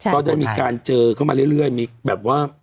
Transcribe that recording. ก็ได้มีการเจอเข้ามาเรื่อยมีแบบว่า